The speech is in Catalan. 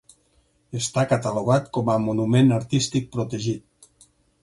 Està catalogat com a monument artístic protegit.